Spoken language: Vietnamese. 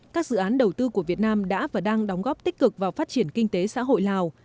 các dự án đầu tư của việt nam đã và đang đóng góp tích cực vào phát triển kinh tế xã hội lào